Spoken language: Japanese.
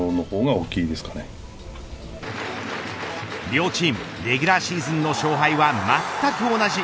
両チーム、レギュラーシーズンの勝敗はまったく同じ。